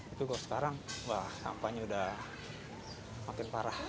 itu kalau sekarang wah sampahnya udah makin parah